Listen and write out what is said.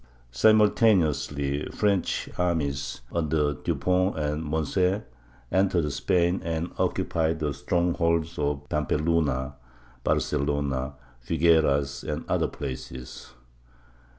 Simultaneously French armies, under Dupont and Moncey, entered Spain and occupied the strongholds of Pampeluna, Barcelona, Figueras and other places.